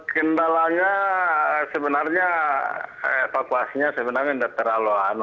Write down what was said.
kendalanya sebenarnya evakuasinya sebenarnya tidak terlalu